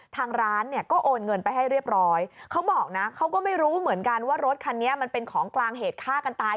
ทางร้านเนี่ยก็โอนเงินไปให้เรียบร้อยเขาบอกนะเขาก็ไม่รู้เหมือนกันว่ารถคันนี้มันเป็นของกลางเหตุฆ่ากันตาย